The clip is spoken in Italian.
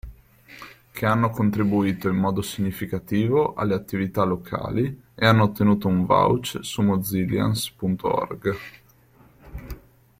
Che hanno contribuito in modo significativo alle attività Locali e hanno ottenuto un vouch su mozillians.org.